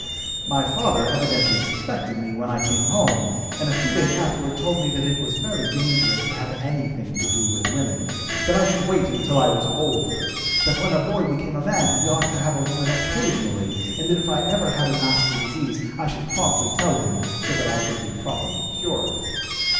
"My father evidently suspected me when I came home, and a few days afterward told me that it was very dangerous to have anything to do with women, that I should wait until I was older, that when a boy became a man he ought to have a woman occasionally, and that if I ever had a nasty disease I should promptly tell him so that I could be properly cured.